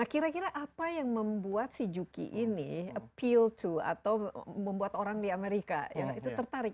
kira kira apa yang membuat si juki ini appeal to atau membuat orang di amerika ya itu tertarik